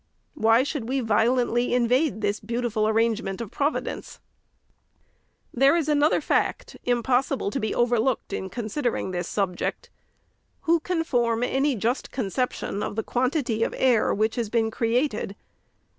* Why should we violently invade this beauti ful arrangement of Providence ? There is another fact, impossible to be overlooked in considering this subject. Who can form any just concep tion of the quantity of air which has been created